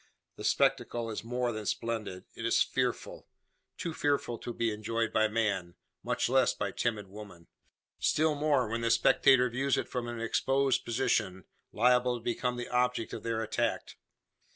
The spectacle is more than splendid it is fearful too fearful to be enjoyed by man, much less by timid woman. Still more when the spectator views it from an exposed position, liable to become the object of their attack.